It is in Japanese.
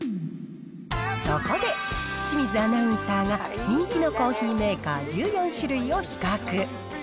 そこで、清水アナウンサーが、人気のコーヒーメーカー１４種類を比較。